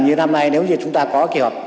như năm nay nếu như chúng ta có kế hoạch